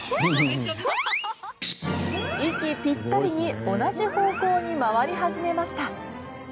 息ピッタリに同じ方向に回り始めました。